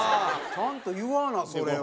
ちゃんと言わなそれは。